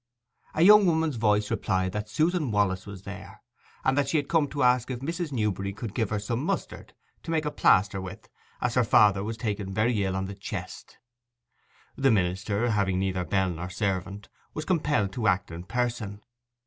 A young woman's voice replied that Susan Wallis was there, and that she had come to ask if Mrs. Newberry could give her some mustard to make a plaster with, as her father was taken very ill on the chest. The minister, having neither bell nor servant, was compelled to act in person.